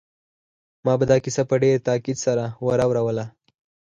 ما به دا کیسه په ډېر تاکید سره ور اوروله